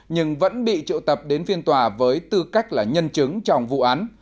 nhưng vẫn bị triệu tập đến phiên tòa với tư cách là nhân chứng trong vụ án